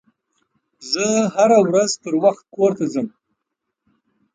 زه هره ورځ پروخت کور ته ځم